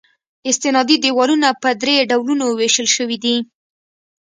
استنادي دیوالونه په درې ډولونو ویشل شوي دي